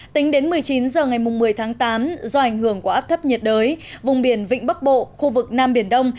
tính đến một mươi chín h ngày một mươi tháng tám do ảnh hưởng của áp thấp nhiệt đới vùng biển vịnh bắc bộ khu vực nam biển đông